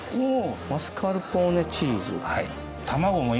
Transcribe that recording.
マスカルポーネチーズ。